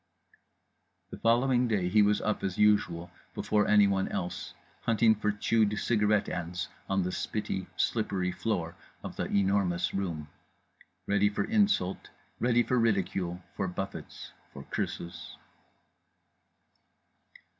The following day he was up as usual before anyone else, hunting for chewed cigarette ends on the spitty slippery floor of The Enormous Room; ready for insult, ready for ridicule, for buffets, for curses.